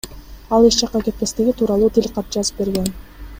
Ал эч жакка кетпестиги тууралуу тил кат жазып берген.